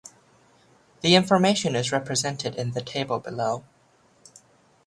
The information is represented in the table below.